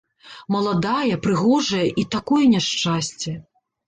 Маладая, прыгожая, і такое няшчасце!